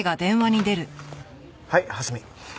はい蓮見。